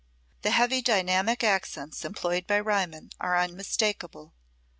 The heavy dynamic accents employed by Riemann are unmistakable.